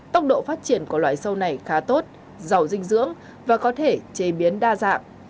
tốc độ phát triển của loài sâu này khá tốt giàu dinh dưỡng và có thể chế biến đa dạng